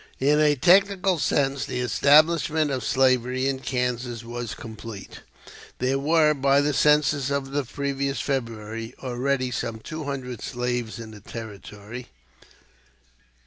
In a technical sense the establishment of slavery in Kansas was complete. There were by the census of the previous February already some two hundred slaves in the Territory.